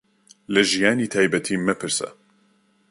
لە ژیانی تایبەتیم مەپرسە.